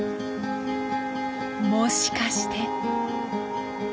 もしかして。